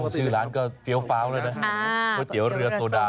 ชื่อร้านก็เฟี้ยวฟ้าวแล้วนะก๋วยเตี๋ยวเรือโซดา